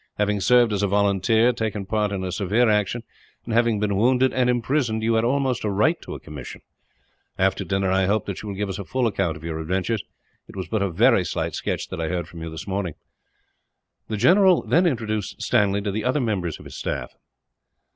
Having served as a volunteer, taken part in a severe action, and having been wounded and imprisoned, you had almost a right to a commission. After dinner, I hope that you will give us all a full account of your adventures; it was but a very slight sketch that I heard from you, this morning." The general then introduced Stanley to the other members of his staff.